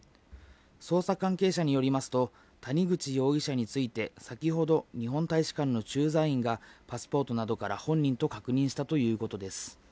捜査関係者によりますと、谷口容疑者について、先ほど日本大使館の駐在員が、パスポートなどから本人と確認したということです。